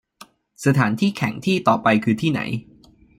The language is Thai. สถานที่แข่งที่ต่อไปคือที่ไหน